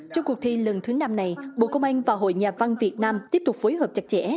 trong cuộc thi lần thứ năm này bộ công an và hội nhà văn việt nam tiếp tục phối hợp chặt chẽ